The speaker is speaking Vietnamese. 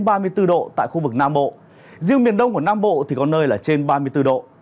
và từ ba mươi bốn độ tại khu vực nam bộ riêng miền đông của nam bộ thì có nơi là trên ba mươi bốn độ